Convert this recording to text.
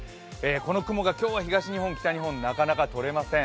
この雲が今日は東日本、北日本、なかなかとれません。